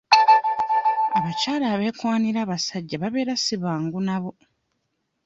Abakyala abeekwanira abasajja babeera si bangu nabo.